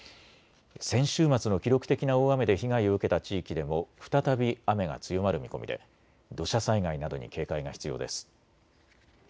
先週末の記録的な大雨で被害を受けた地域でも再び雨が強まる見込みで土砂災害などに警戒が必要です。